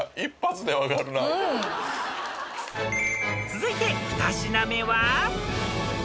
［続いて２品目は？］